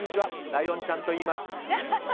ライオンちゃんと言います。